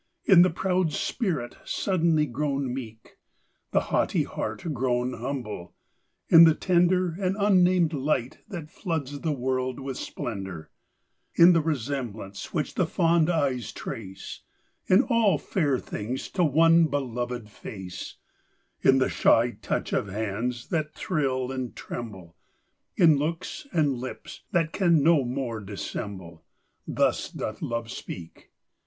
In the proud spirit suddenly grown meek The haughty heart grown humble; in the tender And unnamed light that floods the world with splendor; In the resemblance which the fond eyes trace In all fair things to one beloved face; In the shy touch of hands that thrill and tremble; In looks and lips that can no more dissemble Thus doth Love speak.